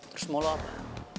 terus mau lo apa